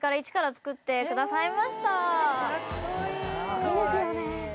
すごいですよね。